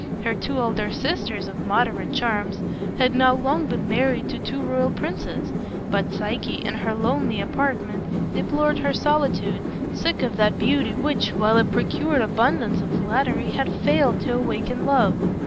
Her two elder sisters of moderate charms had now long been married to two royal princes; but Psyche, in her lonely apartment, deplored her solitude, sick of that beauty which, while it procured abundance of flattery, had failed to awaken love.